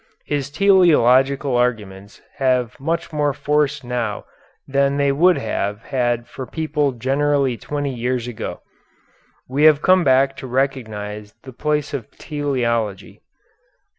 His teleological arguments have much more force now than they would have had for people generally twenty years ago. We have come back to recognize the place of teleology.